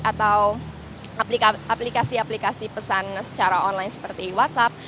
atau aplikasi aplikasi pesan secara online seperti whatsapp